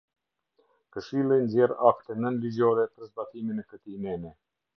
Këshilli nxjerr akte nënligjore për zbatimin e këtij neni.